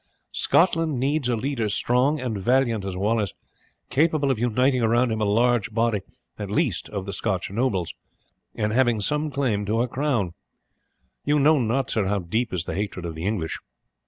Scotland needs a leader strong and valiant as Wallace, capable of uniting around him a large body, at least, of the Scotch nobles, and having some claim to her crown. You know not, sir, how deep is the hatred of the English.